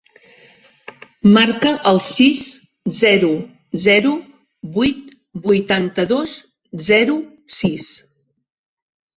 Marca el sis, zero, zero, vuit, vuitanta-dos, zero, sis.